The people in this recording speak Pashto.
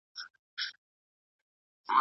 لارښود استاد معمولا د شاګرد په مشوره ټاکل کېږي.